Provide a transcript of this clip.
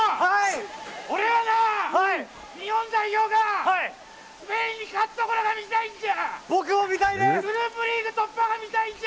俺はな日本代表がスペインに勝つところが見たいんじゃ！